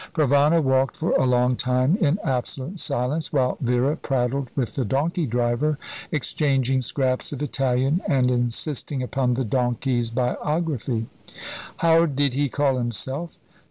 Provana walked for a long time in absolute silence, while Vera prattled with the donkey driver, exchanging scraps of Italian and insisting upon the donkey's biography. "How did he call himself?"